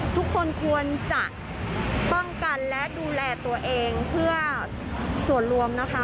ทุกคนควรจะป้องกันและดูแลตัวเองเพื่อส่วนรวมนะคะ